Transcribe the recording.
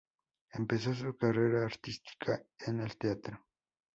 Empezó su carrera artística en el teatro.